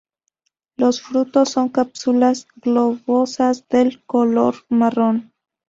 Los fruto son cápsulas globosas de color marrón.